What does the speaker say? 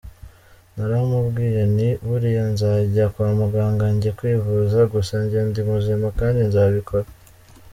Naramubwiye nti ‘buriya nzajya kwa muganga njye kwivuza’, gusa njye ndi muzima kandi nzabikora.